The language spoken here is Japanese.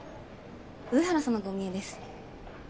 上原様がお見えです。